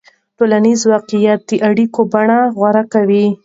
ټولنیز واقعیت د اړیکو بڼه غوره کوي.